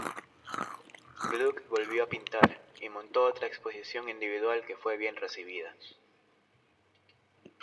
Gluck volvió a pintar y montó otra exposición individual que fue bien recibida.